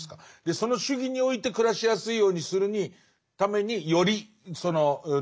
その主義において暮らしやすいようにするためによりその行為をしていく。